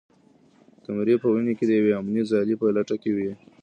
قمري په ونې کې د یوې امنې ځالۍ په لټه کې وه.